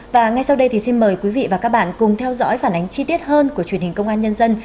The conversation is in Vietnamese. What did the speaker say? và ngay sau đây thì xin mời quý vị và các bạn cùng theo dõi phản ánh chi tiết hơn của truyền hình công an nhân dân